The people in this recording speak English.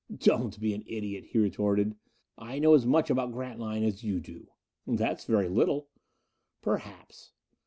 "Don't be an idiot," he retorted. "I know as much about Grantline as you do." "That's very little." "Perhaps."